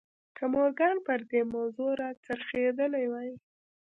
که مورګان پر دې موضوع را څرخېدلی وای.